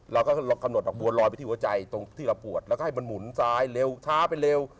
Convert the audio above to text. เราก็กำหนดดอกบัวลอยไปที่หัวใจตรงที่เราปวดแล้วก็ให้มันหมุนซ้ายเร็วช้าไปเร็ว